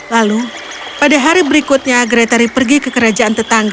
lalu pada hari berikutnya gretary pergi ke kerajaan tetangga